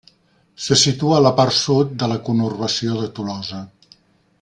Se situa a la part sud de la conurbació de Tolosa.